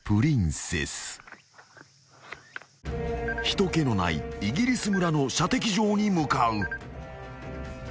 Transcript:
［人けのないイギリス村の射的場に向かう］